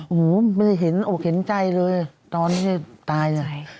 โอ้โหไม่ได้เห็นโอกเห็นใจเลยตอนที่ตาย